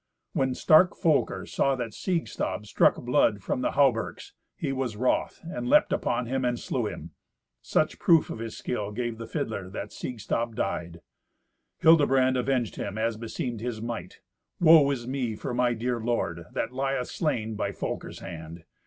When stark Folker saw that Siegstab struck blood from the hauberks, he was wroth, and leapt upon him and slew him. Such proof of his skill gave the fiddler that Siegstab died. Hildebrand avenged him as beseemed his might. "Woe is me for my dear lord, that lieth slain by Folker's hand!